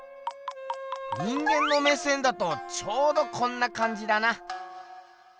人間の目線だとちょうどこんなかんじだな。